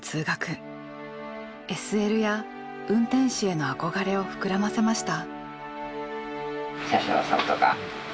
ＳＬや運転士への憧れを膨らませました。